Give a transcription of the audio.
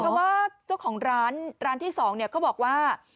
ว่าเจ้าของร้านที่๒เค้าบอกว่า